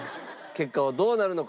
結果はどうなるのか？